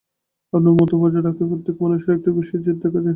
আপনার মত বজায় রাখিতে প্রত্যেক মানুষেরই একটা বিশেষ জিদ দেখা যায়।